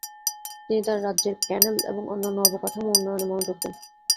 তিনি তার রাজ্যের ক্যানেল এবং অন্যান্য অবকাঠামো উন্নয়নে মনোযোগ দেন।